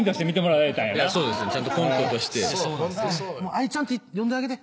「アイちゃん」って呼んであげて。